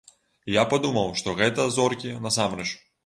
І я падумаў, што гэта зоркі, насамрэч.